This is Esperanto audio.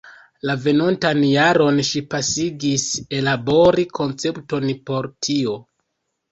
La venontan jaron ŝi pasigis ellabori koncepton por tio.